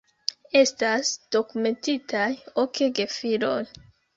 Estas dokumentitaj ok gefiloj.